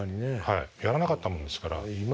はいやらなかったもんですから。